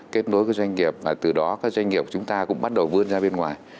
tiếp nối các doanh nghiệp và từ đó các doanh nghiệp của chúng ta cũng bắt đầu vươn ra bên ngoài